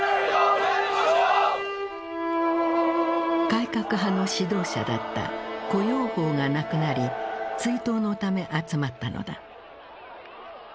改革派の指導者だった胡耀邦が亡くなり追悼のため集まったのだ。